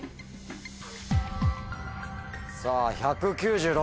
さぁ１９６。